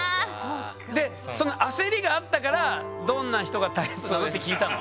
うわ！でその焦りがあったから「どんな人がタイプなの？」って聞いたの？